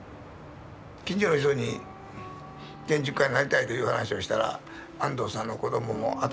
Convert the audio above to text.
近所の人に建築家になりたいという話をしたら安藤さんの子どもも頭がおかしくなったねと。